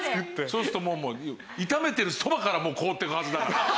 そうするともう炒めてるそばから凍っていくはずだから。